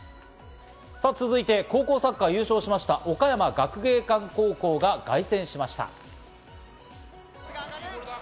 続いて高校サッカー優勝しました、岡山学芸館高校が凱旋しました。